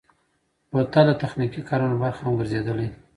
بوتل د تخنیکي کارونو برخه هم ګرځېدلی.